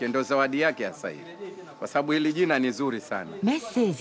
メッセージ。